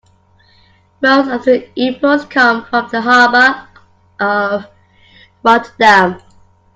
Most of our imports come from the harbor of Rotterdam.